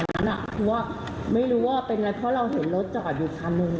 ไม่รู้ว่าเป็นอะไรเพราะเราเห็นรถจอดอยู่ทางนึง